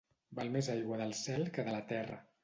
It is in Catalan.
Val més aigua del cel que de la terra.